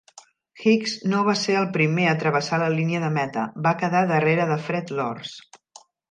Hicks no va ser el primer a travessar la línia de meta, va quedar darrere de Fred Lorz.